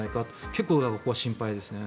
結構、心配ですね。